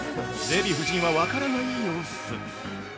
◆デヴィ夫人は分からない様子。